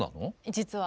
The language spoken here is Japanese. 実は。